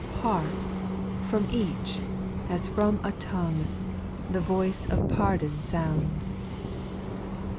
261 Hark ! from each, as from a tongue, The voice of pardon sounds.